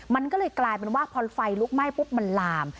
มันก็เลยกลายเป็นว่าพอไฟลุกไหม้ปุ๊บมันลาม